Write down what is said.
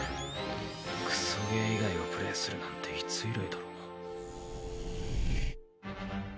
カチックソゲー以外をプレイするなんていつ以来だろう。